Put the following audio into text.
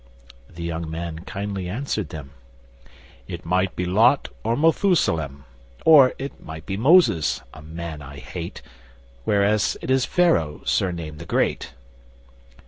The young man kindly answered them: 'It might be Lot or Methusalem, Or it might be Moses (a man I hate), Whereas it is Pharaoh surnamed the Great.